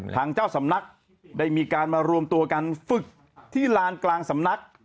ทางเจ้าสำนักได้มีการมารวมตัวกันฝึกที่ลานกลางสำนัก